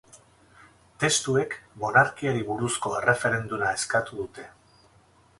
Testuek monarkiari buruzko erreferenduma eskatu dute.